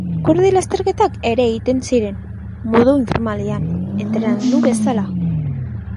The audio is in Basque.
Gurdi lasterketak ere egiten ziren, modu informalean, entrenamendu bezala.